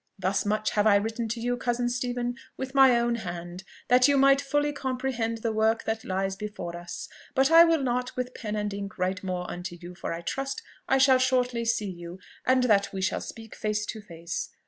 "Thus much have I written to you, cousin Stephen, with my own hand, that you might fully comprehend the work that lies before us. But I will not with pen and ink write more unto you, for I trust I shall shortly see you, and that we shall speak face to face.